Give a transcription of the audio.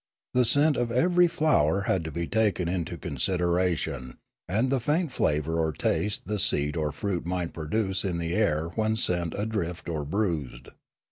The scent of every flower had to be taken into consideration and the faint flavour or taste the seed or fruit might produce in the air when sent adrift or bruised.